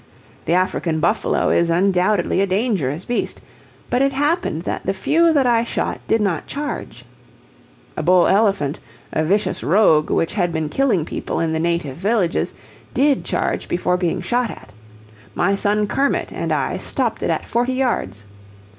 The African buffalo is undoubtedly a dangerous beast, but it happened that the few that I shot did not charge. A bull elephant, a vicious "rogue," which had been killing people in the native villages, did charge before being shot at. My son Kermit and I stopped it at forty yards.